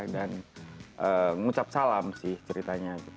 dan ngucap salam sih ceritanya gitu